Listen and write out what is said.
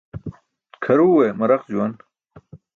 Kʰaruwe maraq juwan.